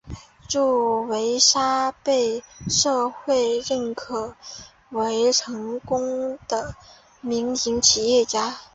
祝维沙被社会认可为成功的民营企业家。